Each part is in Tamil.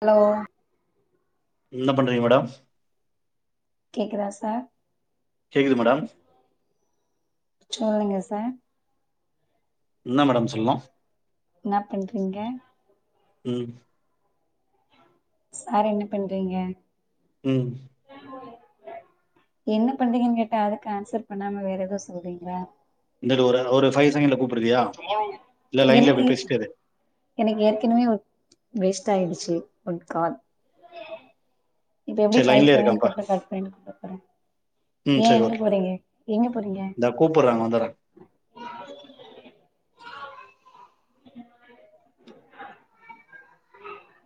ஹலோ என்ன பண்றீங்க மேடம் கேக்குதா சார் கேக்குது மேடம் சொல்லுங்க சார் என்ன மேடம் சொல்லணும் என்ன பண்றீங்க ம் சார் என்ன பண்றீங்க ம் என்ன பண்றீங்கன்னு கேட்டா அதுக்கு ஆன்சர் பண்ணாம வேற ஏதோ சொல்றீங்க இந்தல ஒர் ஒரு பை செங்கன்ட் எனக்கு இரு எனக்கு ஏற்கனவே டுச்சு உட்கால் இப்ப எப்டி சரி பைவ் லைன்லயே செவனுக்கு இருக்கான்ப்பா அறம் கட் பண்ணடு போறே ம் ஏன் சரி எங்க ஓகே போறீங்க எங்க போறீங்க இந்த கூப்பிடுறாங்க வந்துடுறேன்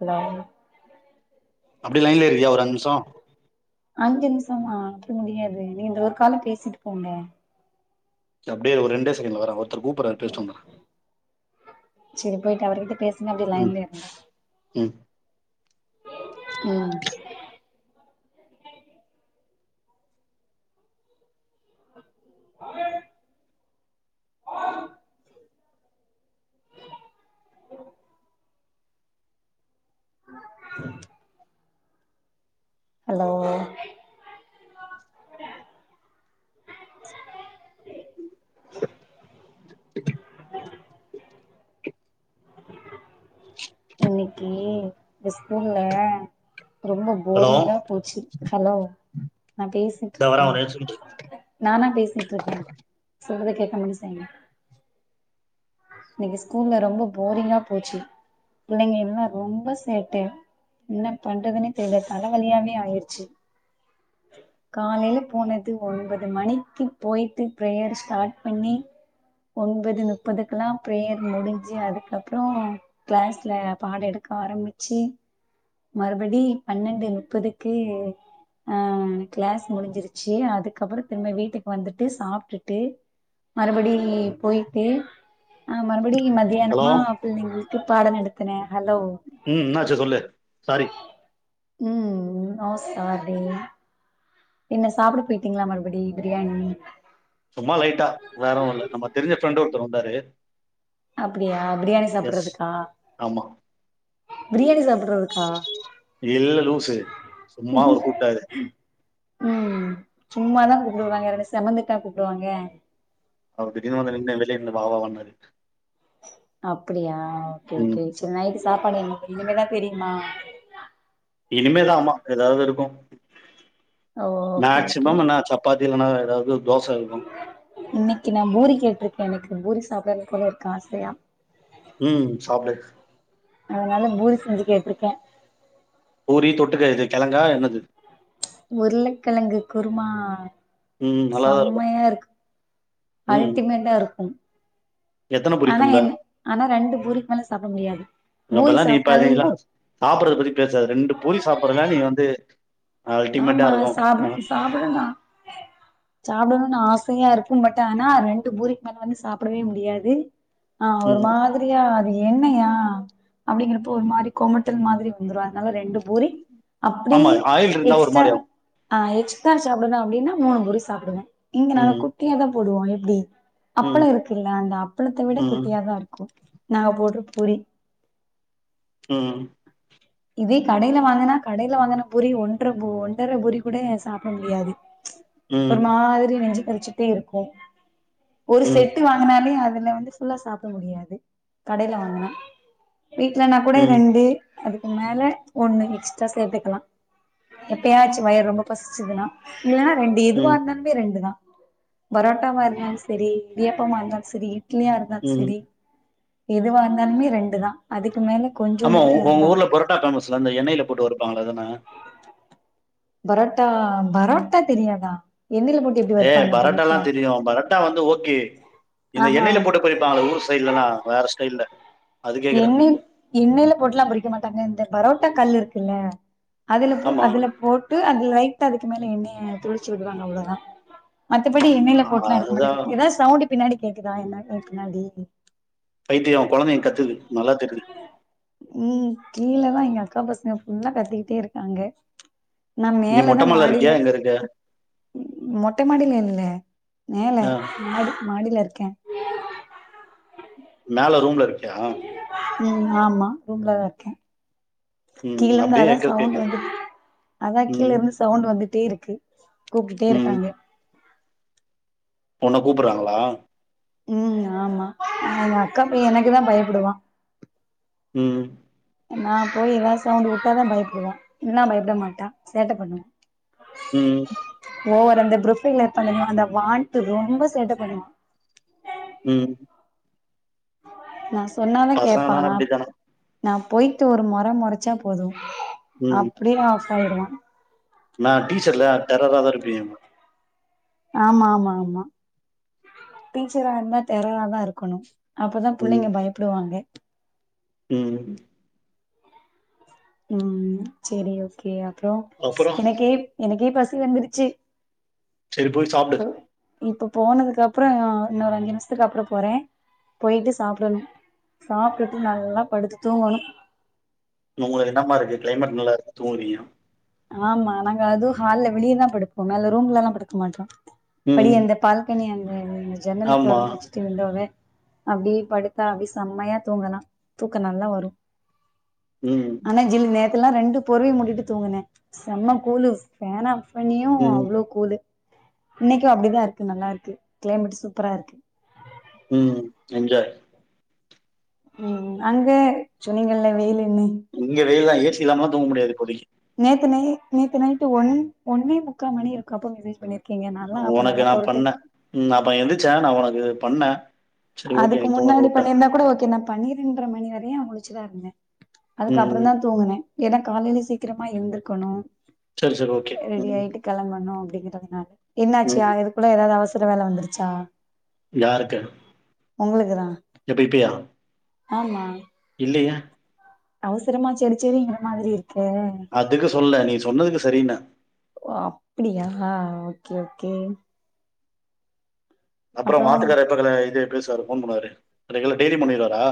ஹலோ அப்டி லைன்ல இருக்கியா ஒரு அஞ்சு நமிஷம் அஞ்சு நிமிஷ்மா ஆ அப்டி முடியாது நீ இந்த ஒரு கால பேசிட்டு போங்க அப்டியே ஒரு ரெண்டு செகண்டல வர கூப்பறாரு பேசிட்டு போய்ட்டு அவர்கிட்ட பேசுங்க அப்டி லைன்லயே இருங்க உம் ம் ஆமேர் ஹலோ உ இன்னைக்கு இந்த ஸ்கூல்ல ரொம்ப ஹலோ போரிங்கா போச்சு ஹலோ நான் பேசிட்டு இந்த இருக்கே வரேன் ஒரு நிமிஷம் நானா பேசி ட்டு ருக்கே சொல்றத கேட்க மும் செய்ங்க இன்னைக்கு ஸ்கூல்ல ரொம்ப போரிங்கா போச்சு பிள்ளைங்க எல்லா ரொம்ப சேட்ட என்ன பண்றதுன்னே தெரியல தலைவலியாவே ஆயிருச்சு காலையில போனது ஒன்பது மணிக்கு போயிட்டு பிரேயர் ஸ்டார்ட் பண்ணி ஒண்பது முப்பதுகுக் ல்லா பிரேயர் முடிஞ்சு அதுக்கப்புறோ கிளாஸ்ல பாட எடுக்க ஆரம்பிச்சு மறுபடி பன்னெண்டு முப்பதுக்கு அஹ் கிளாஸ் முடிஞ்சிருச்சு அதுக்கப்புறோ திரும்ப வீட்டுக்கு வந்துட்டு சாப்டுட்டு மறுபடி போயிட்டு அஹ் மறு அப்டி ஹலோ மதியானமா பிள்ளைங்ளு பாட நடுத்தனே ம் என்னாச்சு சொல்லு சாரி உம் நொ சாரி என்ன சாப்பிட போயிட்டீங்களா மறுபடி பிரியாணி சும்மா லைட்டா வேறனு இல்ல நம்ம தெரிஞ்ச ஃப்ரெண்ட் ஒருத்தர் வந்தாரு அப்டியா பிரியாணி எஸ் சாப்படுறதுக்கா ஆமா பிரியாணி சாப்பிடுறதுக்கா இல்ல லூசு சும்மா ஒரு கூப்பிட்டாரு உம் சும்மாதா கூப்பிடுவாங்க இல்லனா செமந்துட்டா கூப்பிடுவாங்க அவர் திடிர்னு வந்து நின்னு வெளிய நின்னு வா வா அப்டியா ஓகே ம் ஓகே செரி நைட் சாப்பாடு எண்ண இனிமேதான் தெரியுமா இனிமேதா அம்மா ஏதாவது இருக்கோ ஓ மேக்சிமம் நா சப்பாத்தி இதுவனா வேற ஏதாது இன்னிக்கு நா பூரி கேட்டிருக்கே எனக்கு பூரி சாப்பிடன்னு போல இருக்கு ஆசையா உம் சாப்டு அதனால பூரி செஞ்சு கேட்டுருக்கே பூரி தொட்டுக்க எது உருளைக்கிழங்கு குருமா ஆ உம் நல்லாதா இருக்கோ அல்டிமேட்டா இருக்கோம் எத்தன பூரி ஆனா திம்ப? என் ஆனா ரெண்டு பூரி மேல சாப்பிட முடியாது பூரி அப்பல்லா நீ சாப்பிட்டாலே பாதிங்ளாஸ் சாப்பிடறது பத்தி பேசாத ரெண்டு பூரி சாப்பறனா நீ வந்து அல்டிமேட்டா ஆமா இருக்கும். அ சாப்பட் சாப்பிடதா சாப்பிடனு ன்னு ஆசையா இருக்கு பட் ஆனா ரெண்டு பூரிக்கு மேல வந்து சாப்பிடவே முடியாது ஆ ஒரு ம். மாரியா எண்ணெய்யா அப்டிங்கிறப்போ ஒரு மாரி கொமட்டல் மாதிரி வ ந்துருவ அதனால ரெண்டு பூரி அப்படீ ஆமா ஆயில் இருந்தா ஒரு மாரி ஆகும் ஆ எக்ஸ்ட்ரா சாப்பிடனு அப்டின்னா மூணு பூரி சாப்பிடுவே இங்க நாங்க ம், குட்டியாதா போடுவோ எப்டி ம், அப்பள இருக்குல்ல அந்த அப்பளத்த விட ம், குட்டியாதா இருக்கௌன் நாங்க போடுற பூரி ம் இது கடையில வாங்கனா கடையில வாங்கன பூரி ஒன்ற பூ ஒன்டர பூரி கூட சாப்பிட முடியாது ச் ம், ஒரு மாரி நெஞ்சு கரிக் ச்சுட்டே இருக்கோ ஒரு ம், செட்டு வாங்கனாலே அது அதுல வந்து புல்லா சாப்பிட முடியாது கடையில வாங்கினா வீட்லன்னா கூட ம், ரெண்டு அது மேல ஒண்ணு எக்ஸ்ட்ரா சேத்துக்கலா எப்பேயாச்சு வயிர் ரொம்ப பசிச்சதுன்னா இல்லைன்னா ரெண்டு ம், எதுவாருந்தாலுமே ரெண்டு தா பரோட்டா வா இருந்தாலு செரி இடியாப்பமா இருந்தாலும் செரி இட்லியா இருந்தாலு ம். செரி எதுவா இருந்தாலுமே ரெண்டு தா அதுக்கு மேல ஆமா கொஞ்சோண்டு கூட உங்க எறங்காது ஊர்ல பொரோ ட்டா ஃபேமஸ் அந்த எண்ணெய்ல போட்டு வருப்பாங்கள அதானே பரோட்டா பரோட்டா தெரியாதா எண்ணெய்ல போட்டு எப்டி ஏ வறுப்பாங்க பரோட்டால்லா பரோட்டா தெரியு பரோட்டா வந்து ஓகே இந்த ஆஹா எண்ணெயில போட்டு பொரிப்பாங்களே ஊர் சைடலல்லா வேற ஸ்டைல்ல அது கேக்குறா. எண்ணெய் எண்ணெயில போட்டுலா பொறிக்க மாட்டாங்க இந்த பரோட்டா ட்ட கல் இருக்குல்ல அதுல ஆமா. அதுல போட்டு அதுல வை ட்டா அதுக்கு மேல எண்ணெய்ய தொளிச்சுவுடுவாங்க அவ்ளோவுதா மத்தபடி எண்ணெய்ல அ- போட்டுலா எடுக்க அதுதான் மாட்டங்கா எதாவது சவுண்ட் பின்னாடி கேக்குதா என்னா பின்னாடி பைத்தியோ கொழந்தைங்க கத்துத்து நல்லா தெர்து உம் கீழேதா எங்க அக்கா பசங்க புல்லா கத்தக்கிட்டே இருக்காங்க நா நீ மொட்ட மேலதா மாடில இருக்கியா? எங்க இருக்க? மொட்டை மாடில நின்ன மேலே ஆ மாட் மாடியில இருக்கே மேல ரூம்ல இருக் கியா ம் ஆமா ரூம்ல தா இருக்கே ம். கீழருந்து அப்டியே அதா எக்கோ சவுண்ட் கேக்குது. வந்து அதா கீழ ம். இருந்து சவுண்ட் வந்துட்டேருக்கு க்கு கூப்டுட்டே ம். இருக்காங்க உண்ண கூப்புறாங்களா உம் ஆமா எங்க அக்காப் பைய எனக்கு தா பயப்படுவா உம் நா போய் எதாவது சவுண்ட் விட்டாதா பயப்படுவா இல்லனா பயப்பட மாட்டா சேட்ட பண்ணுவா ம். ஓவர் அந்த ப்ரவைல்ல பண்ணும்ல அந்த வான்ட்டு ரொம்ப சேட்ட பண்ணு உம் நா சொ சொன்னாதா பசங்கன்னா கேப்பானா அப்டித்தானா? நா போய்ட்டு ஒரு மொற மொறச்சா போது ம். அப்படியா ஆயிடுவா நான் டீச்சர்ல டெர்ரரா தா இருப்பீங்கம்பா ஆமா ஆமா ஆமா டீச்சரா இருந்தா டெரராதா இருக்கணு அப்பதா ம். புள்ளைங்க பயப்படுவாங்க ம் ம் சேரி ஓகேயா அப்புறோ அப்புறம் எனக்கே எனக்கே பசி வந்துருச்சி செரி போய் சாப்டு இப்போ போனதுக்கு அப்புறம் அஹ் இன்னொரு அஞ்சு நிமிஷத்துக்கு அப்புறம் போறேன் போயிட்டு சாப்பிடணும் சாப்டுட்டு நல்லா படுத்து தூங்கணும் உங்களுக்கு என்னம்மா இருக்கு கிளைமேட் நல்லா இருக்கு தூங்குறீங்க ஆமா நாங்க அதுவு ஹால்ல வெளியதா படுப்போ மேல ரூம்லலா படுக்க மாட்டோ படி ம். அந்த பால்கனி அந்த அந்த ஜன்னல ஆமா. தொறந்து வச்சுட்டு வந்தாவே அப்படியே படுத்தா அப்படி செம்மையா தூங்கலா தூக்க நல்லா வரு ம். அனா சில்லு நேத் த்தெல்லா ரெண்டு போர்வையை மூடிட்டு தூங்கனே செம்ம கூலு ஃபேன்னப் பண்ணியு ம். அவ்ளோ கூலு இன்னைக்கு அப்படிதா இருக்கு நல்லா இருக்கு கிளைமேட்டு சூப்பரா இருக்கு ம் என்ஜாய் ம் அங்க சொன்னீங்கள்ல வெயிலு ன்னு இங்க வெயில் தா ஏசி இல்லாமலா தூங்க முடியாது தோழி நேத்து நை நேத்து நைட்டு ஒன் ஒன்னே முக்கா மணி இருக்காப்போ மெசேஜ் பண்ணியிரு உனக்கு நா பண்ணே ம் அப்ப எந்திச்சே நா ஒனக்கு பண்ணே சரி ஓகே அதுக்கு நீ தூங்குறன்னு முன்னாடி வுட்டே பண்ணியிருந்தா கூட ஓகே நா பன்னிரெண்டர மணி வரையு முழிச்சுதா இருந்தே அதுக்கப்புற ம் தா தூங்குனே ஏனா காலையிலே சீக்கிரமா எழுந்திருக்கணு செரி செரி ஓகே ம் பதினாறு என்னாச்சியா ம் இதுக்குள்ள ஏதாவது அவசி புது வேல வந்துருச்சா யாருக்கு உங்களுக்குதா எப்ப ஆமா இல்லயே அவசரமா சேரி சேரிங்ற மாதிரி இருக்கு அதுக்கு சொல்ல நீ சொன்னதுக்கு சரின்ன ஓ அப்டியா ஓகே ஓகே அப்றோ ஒன் ஆத்துக்காரு எப்ப க இது பேசுவாரு ஃபோன் பண்ணுவாரு ரெகுலர் டெய்லியு பண்ணிடுவாரா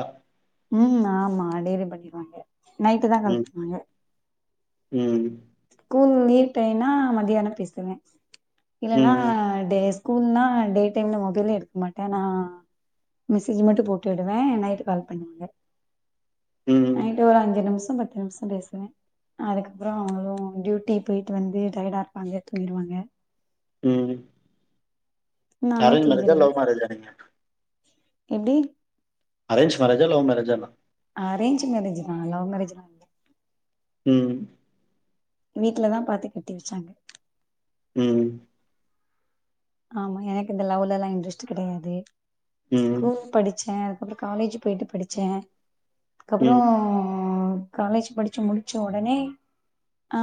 ம் ஆமா டெய்லி பண்ணிருவாங்க நைட்டு தா கால் ம் பண்ணுவாங்க ம் ஸ்கூல் லீவ் டைம்னா மத்தியான பேசுவே இல்லன்னா ம் டேஸ் ஸ்கூல்னா டே டைம்ல மொபைலே எடுக்க மாட்டே நா மெசேஜ் மட்டு போட்டு விடுவே நைட் கால் பண்ணிருவே ம் நைட் ஒரு அஞ்சு நிமிஷோ பத்து நிமிஷோ பேசுவே அதுக்கப்ற அவங்களு டூட்டி போயிட்டு வந்து டயடாருப்பாங்க தூங்கிடுவாங்க ம் நானு அரேஞ்ச் மேரேஜா தூங்கிடுவே லவ் மேரேஜா நீங்க எப்டி அரேஞ்ச் மேரேஜா லவ் மேரேஜானு அரேஞ்ச் மேரேஜ் தா லவ் மேரேஜ் லா ம் வீட்லதா பாத்து கட்டி வச்சாங்க ம் ஆமா எனக்கு இந்த லவ்லலா இன்ட்ரஸ்ட் கெடையாது ம் ஸ்கூல் படிச்சே அதுக்கப்ற காலேஜ் போயிட்டு படிச்சே அதுக்கப்ற ம் காலேஜ் படிச்சு முடிச்ச உடனே ஆ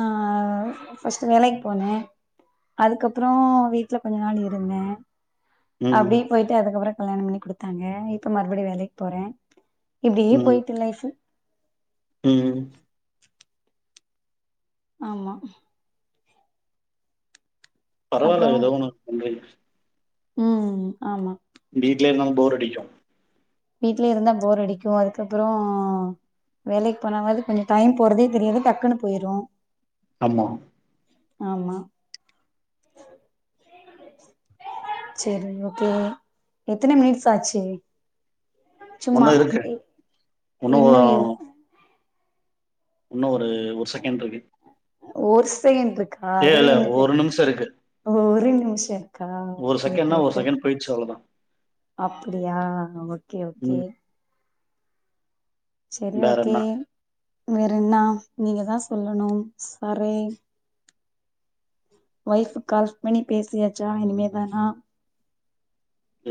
ஃபஸ்ட் வேலைக்கு போனே அதுக்கப்ற வீட்ல கொஞ்ச நாள் இருந்தே ம் அப்டி போயிட்டு அதுக்கப்ற கல்யாணம் பண்ணி குடுத்தாங்க இப்ப மறுபடியு வேலைக்கு போறே இப்டியே ம் போயிட்டு லைஃப் ம் ஆமா பரவால்ல அப்றோ எதோ ஒன்னு பண்றீங்க ம் ஆமா வீட்லேந்தாலு போர் அடிக்கு வீட்லே இருந்தா போர் அடிக்கு அதுக்கப்ற வேலைக்கு போனாவது கொஞ்சோ டைம் போறதே தெரியாது டக்குன்னு போயிரு ஆமா ஆமா செரி ஓகே எத்தன மினிட்ஸ் ஆச்சு சும்மா ஒன்னு இருக்கு இ உன்னு இன்னும் எவ் உன்னு ஒரு செகண்ட் இருக்கு ஒரு செகண்ட் இருக்கா இல்ல அதுல இல்ல என்ன ஒரு பெரி நிமிஷமிருக்கு ஒரு நிமிஷோ இருக்கா ஒரு செகண்ட்னா ஒரு செகண்ட் போயிச்சு அவ்ளோதா அப்பிடியா ஓகே ஓகே ம் செரி வேற ஓகே என்ன வேறன்னா நீங்க தா சொல்லணும் சரெ வைஃப்க்கு கால் பண்ணி பேசியாச்சா இனிமேதானா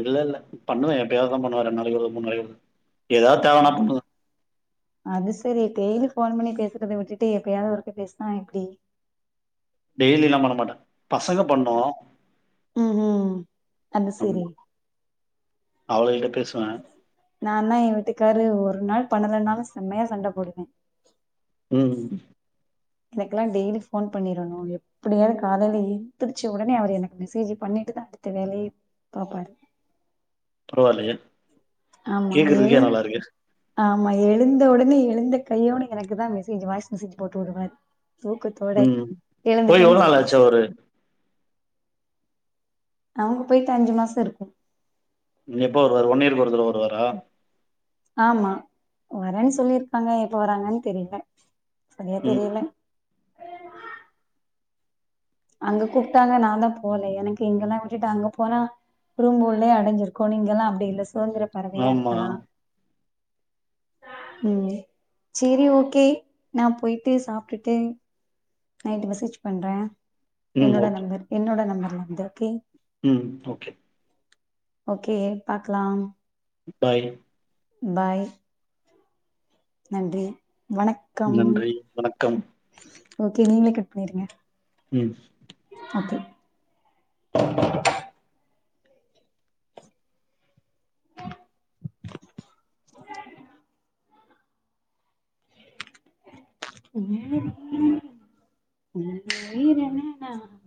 இல்லல்ல பண்ணுவே எப்பயாவதுதா பண்ணுவே ரெண்ட் நாளைக்கு ஒரு மூண் நாளைக்கு ஒருத் ஏதாவது தேவனா ஆ பண்னுவ அது சரி டெய்லி ஃபோன் பண்ணி பேசுறத விட்டுட்டு எப்பயாவது ஒருக்க பேசுனா எப்பிடி டெய்லில்லா பண்ண மாட்டே பசங்க பண்ணு ம் ம் அது ஆமா அவள எங் நா தா எ வீட்டுக்காரு ஒரு நாள் பன்னலனாலும் செம்மையா சண்டை போடுவே உம் எனக்கெல்லா டெய்லி ஃபோன் பண்ணிடணு எப்படியாது காலையில எந்துடுச்ச ஒடனே அவர் எனக்கு மெசேஜ் பண்ணிட்டுதா அடுத்த வேலையை பாப்பாரு பரவாலேயே ஆமா ஏழு ஆமா ஏ எழுந்த ஒடனே எழுந்த கையோடு எனக்கு தா மெசேஜ் வாய்ஸ் மெசேஜ் போட்டு விடுவாரு தூக்கத்தோட உம் போய் எழுந்துட்டேன்னு எவ்ளோ நாளாச்சா சொல்லிட்டு அவுரு அவுங்க போயிட்டு அஞ்சு மாசோருக்கு இனி எப்போ வருவாரு ஒன்னியருக்கு ஒருத்தர வருவாரா ஆமா வரேன்னு சொல்லிருக்காங்க எப்ப வராங்கன்னு தெரியல சரியா ம் தெரியல அங்க கூப்ட்டாங்க நா தா போல எனக்கு இங்கல்லா விட்டுட்டு அங்க போனா ரூம்புள்ளயே அடைஞ்சிருக்கனு இங்கெல்லா அப்டி இல்ல சுதந்திர பறவையா ஆமா இருக்கலா உம் சேரி ஓகே நா போயிட்டு சாப்ட்டுட்டு நைட்டு மெசேஜ் பண்றே ம் என்னோட ஓகே நம்பர் என்னோட நம்பர் [unintelligible] ம் ஓகே ஓகே பாக்கலாம் பாய் பாய் நன்றி வணக்கம் நன்றி வணக்கம் ஓகே நீங்களே கட் பண்ணிருங்க ம் ஓகே உம் உம் உயிரென நா